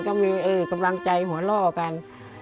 ก็มีกำลังใจหัวล่อกัน